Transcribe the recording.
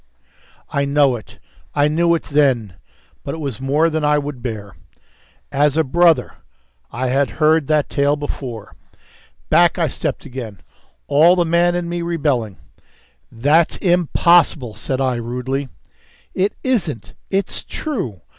I know it. I knew it then. But it was more than I would bear. As a brother! I had heard that tale before. Back I stepped again, all the man in me rebelling. "That's impossible," said I rudely. "It isn't. It's true.